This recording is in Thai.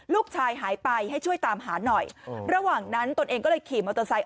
ลูกชายหายไปให้ช่วยตามหาหน่อยระหว่างนั้นตนเองก็เลยขี่มอเตอร์ไซค์